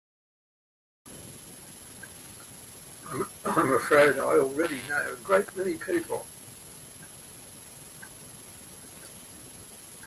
I'm afraid I already know a great many people.